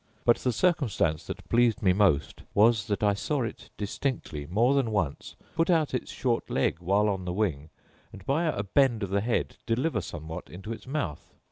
But the circumstance that pleased me most was that I saw it distinctly, more than once, put out its short leg while on the wing, and, by a bend of the head, deliver somewhat into its mouth.